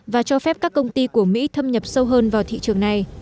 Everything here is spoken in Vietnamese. và cho phép các công ty của mỹ thâm nhập sâu hơn vào thị trường này